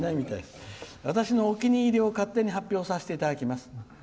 「私のお気に入りを勝手に発表させていただきます。